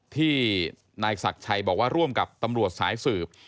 ที่นายศักดิ์ชัยบอกว่าร่วมกับตำรวจสายสืบ